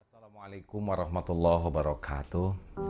assalamualaikum warahmatullahi wabarakatuh